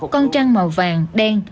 con trăng màu vàng đen